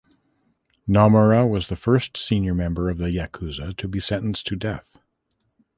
Nomura was the first senior member of the Yakuza to be sentenced to death.